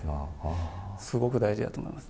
すごく大事だと思います。